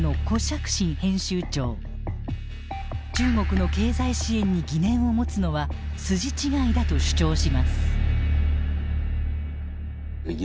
中国の経済支援に疑念を持つのは筋違いだと主張します。